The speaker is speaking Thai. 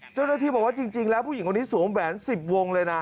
เจ้าหน้าที่บอกว่าจริงแล้วผู้หญิงคนนี้สวมแหวน๑๐วงเลยนะ